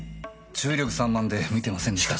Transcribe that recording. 注意力散漫で見てませんでした。